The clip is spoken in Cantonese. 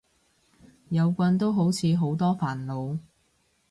有棍都好似好多煩惱